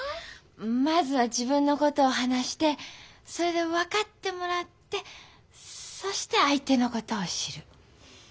まずは自分のことを話してそれで分かってもらってそして相手のことを知る。